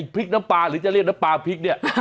พริกน้ำปลาหรือจะเรียกน้ำปลาพริกเนี่ย